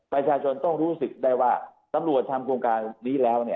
ประชาชนต้องรู้สึกได้ว่าตำรวจทำโครงการนี้แล้ว